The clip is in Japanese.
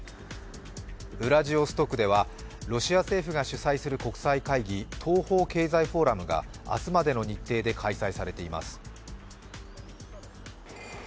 ウラジオストクではロシア政府が主催する国際会議、東方経済フォーラムが明日までの日程で開催されています。